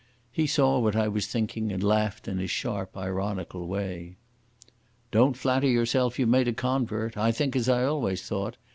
He saw what I was thinking and laughed in his sharp, ironical way. "Don't flatter yourself you've made a convert. I think as I always thought.